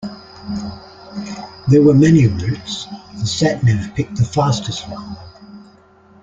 There were many routes, the sat-nav picked the fastest one.